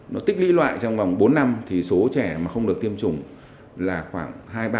nó tích lũy loại trong vòng bốn năm thì số trẻ mà không được tiêm chủng là khoảng hai mươi ba